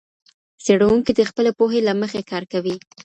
څېړونکی د خپلي پوهي له مخې کار کوي.